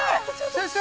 先生！